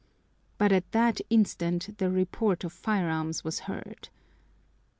But at that instant the report of firearms was heard.